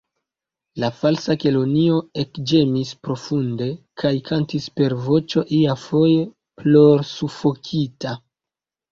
La Falsa Kelonio ekĝemis profunde, kaj kantis per voĉo iafoje plorsufokita.